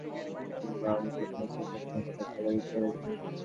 সুবিধাভোগী ব্যক্তিরা বলছেন, বাড়িতে ট্যাংক বসানোর জন্য তাঁদের টাকা দিতে হয়েছে।